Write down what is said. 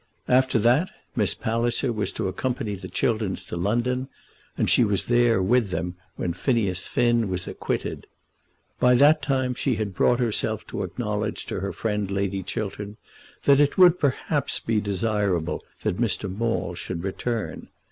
After that, Miss Palliser was to accompany the Chilterns to London, and she was there with them when Phineas Finn was acquitted. By that time she had brought herself to acknowledge to her friend Lady Chiltern that it would perhaps be desirable that Mr. Maule should return.